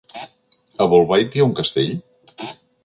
A Bolbait hi ha un castell?